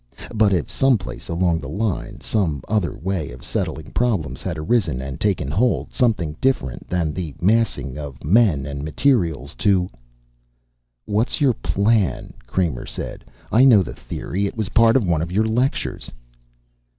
"But if someplace along the line some other way of settling problems had arisen and taken hold, something different than the massing of men and material to " "What's your plan?" Kramer said. "I know the theory. It was part of one of your lectures."